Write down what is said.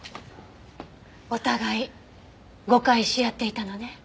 お互い誤解し合っていたのね。